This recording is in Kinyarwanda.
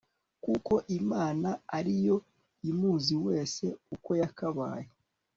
kuko imana ari yo imuzi wese uko yakabaye